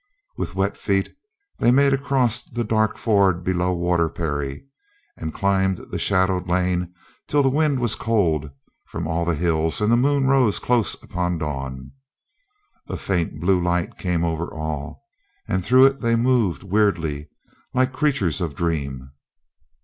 With wet feet they made across the dark ford below Waterperry and I02 COLONEL GREATHEART climbed the shadowed lane till the wind was cold from the hills and the moon rose close upon dawn. A faint blue light came over all, and through it they moved weirdly, like creatures of dream.